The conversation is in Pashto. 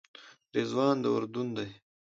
رضوان د اردن دی.